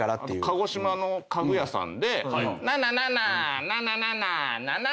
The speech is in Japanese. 鹿児島の家具屋さんで。